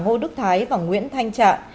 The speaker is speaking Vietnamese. ngô đức thái và nguyễn thanh trạng